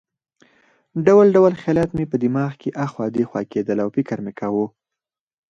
ډول ډول خیالات مې په دماغ کې اخوا دېخوا کېدل او فکر مې کاوه.